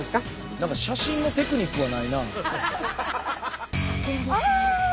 何か写真のテクニックがないな。